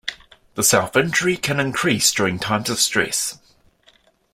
The self-injury can increase during times of stress.